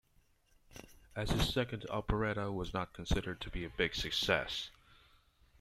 As his second operetta was not considered to be a big success.